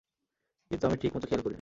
কিন্ত আমি ঠিক মতো খেয়াল করিনি।